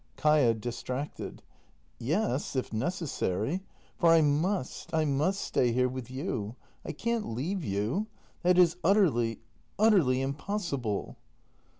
Kaia. [Distracted.] Yes, if necessary. For I m u s t — I must stay here with you ! I can't leave you ! That is utterly — utterly impossible!